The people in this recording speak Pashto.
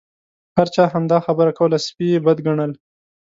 هر چا همدا خبره کوله سپي یې بد ګڼل.